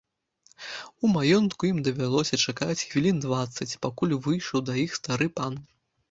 У маёнтку ім давялося чакаць хвілін дваццаць, пакуль выйшаў да іх стары пан.